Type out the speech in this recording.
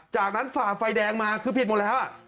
จากนั้นฝ่าไฟแดงมาคือผิดหมดแล้ว